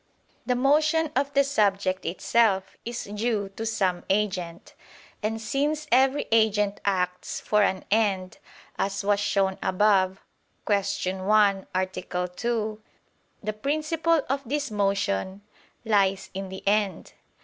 The motion of the subject itself is due to some agent. And since every agent acts for an end, as was shown above (Q. 1, A. 2), the principle of this motion lies in the end.